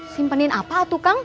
simpenin apa tuh kang